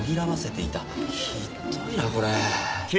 ひっどいなこれ。